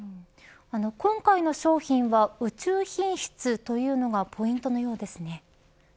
今回の商品は宇宙品質というのがポイントのようですね。